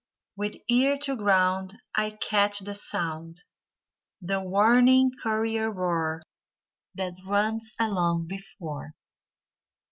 With ear to groimd I catch the sound. The warning courier roar That runs along before.